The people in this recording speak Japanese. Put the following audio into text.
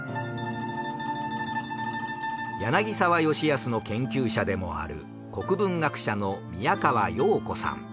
柳澤吉保の研究者でもある国文学者の宮川葉子さん。